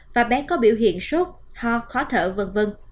và bé có biểu hiện sốt ho khó thở v v